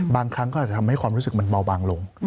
บางครั้งก็อาจจะทำให้ความรู้สึกมันเบาบางลง